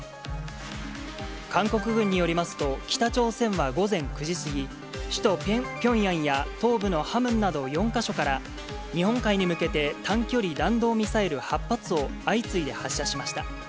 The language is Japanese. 韓国軍によりますと、北朝鮮は午前９時過ぎ、首都ピョンヤンや、東部のハムンなど４か所から、日本海に向けて、短距離弾道ミサイル８発を相次いで発射しました。